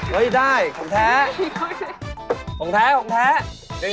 เฮ่ยได้ของแท้ของแท้